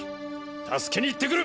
助けに行ってくる！